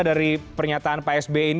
dari pernyataan psb ini